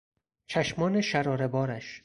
چشمان شراره بارش!